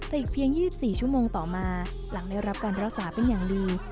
แต่อีกเพียง๒๔ชั่วโมงต่อมาหลังได้รับการรักษาเป็นอย่างดี